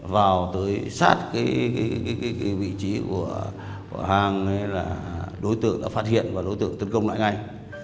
vào tới sát vị trí của hàng đối tượng đã phát hiện và đối tượng tấn công lại ngay